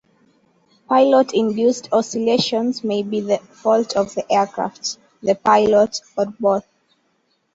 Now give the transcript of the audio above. Pilot-induced oscillations may be the fault of the aircraft, the pilot, or both.